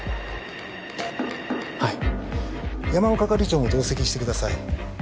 はい山尾係長も同席してください